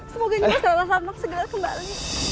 semoga ini masalah santang segera kembali